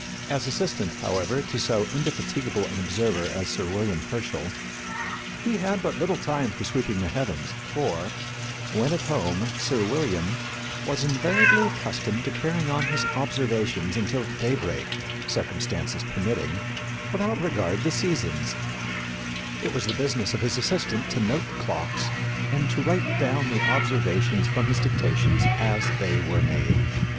As assistant, however, to so indefatigable an observer as Sir William Herschel, she had but little time for sweeping the heavens, for, when at home, Sir William "was invariably accustomed to carry on his observations until day break, circumstances permitting, without regard to seasons; it was the business of his assistant to note the clocks and to write down the observations from his dictations as they were made.